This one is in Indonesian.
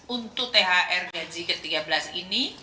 untuk thr gaji ke tiga belas ini